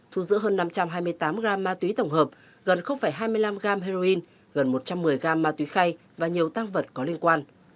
thu giữ hơn năm trăm hai mươi tám gram ma túy tổng hợp gần hai mươi năm gram heroin gần một trăm một mươi gram ma túy khay và nhiều tăng vật có liên quan